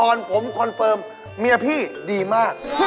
พระคสิริพรผมคอนเฟิร์มเมียพี่ดีมาก